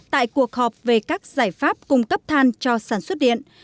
tại cuộc họp về các giải pháp cung cấp than cho sản xuất điện